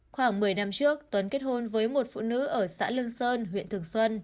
khoảng một mươi năm trước tuấn kết hôn với một phụ nữ ở xã lương sơn huyện thường xuân